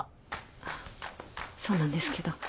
あっそうなんですけど。